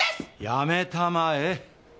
やめたまえ。